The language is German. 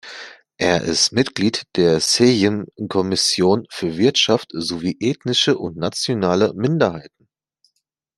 Er ist Mitglied der Sejm Kommissionen für Wirtschaft sowie Ethnische und Nationale Minderheiten.